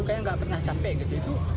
kayaknya nggak pernah capek gitu